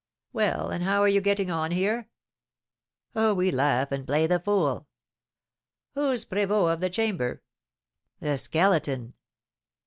"Well, and how are you getting on here?" "Oh, we laugh and play the fool." "Who's prévôt of the chamber?" "The Skeleton."